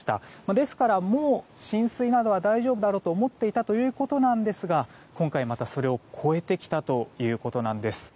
ですから、もう浸水などは大丈夫だと思っていたということですが今回またそれを超えてきたということなんです。